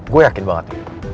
gue yakin banget